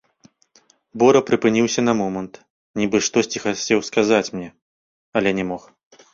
Бора прыпыніўся на момант, нібы штосьці хацеў сказаць мне, але не мог.